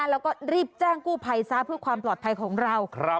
แล้วก็รีบแจ้งกู้ภัยซะเพื่อความปลอดภัยของเรา